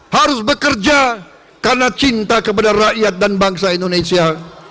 harus bekerja karena cinta kepada rakyat dan bangsa indonesia